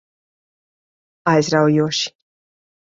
Aizraujoši.